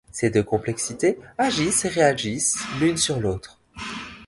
Ces deux complexités agissent et réagissent l'une sur l'autre.